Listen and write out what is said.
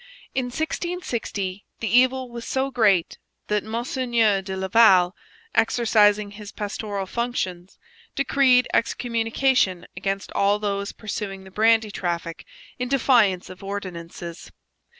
In 1660 the evil was so great that Mgr de Laval, exercising his pastoral functions, decreed excommunication against all those pursuing the brandy traffic in defiance of ordinances.